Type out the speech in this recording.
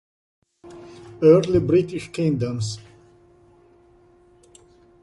Early British Kingdoms